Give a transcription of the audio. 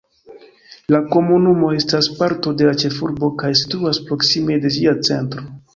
La komunumo estas parto de la ĉefurbo kaj situas proksime de ĝia centro.